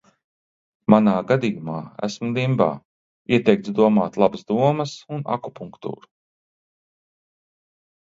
Manā gadījumā, esmu dimbā, ieteikts domāt labas domas un akupunktūru.